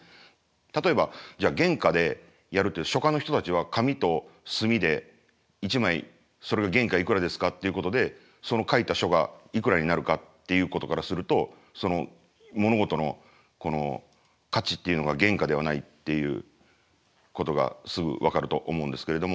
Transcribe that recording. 例えばじゃあ原価でやるって書家の人たちは紙と墨で１枚それが原価いくらですかっていうことでその書いた書がいくらになるかっていうことからすると物事の価値っていうのが原価ではないっていうことがすぐ分かると思うんですけれども。